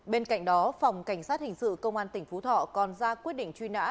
bên cạnh đó phòng cảnh sát hình sự công an tỉnh phú thọ còn ra quyết định truy nã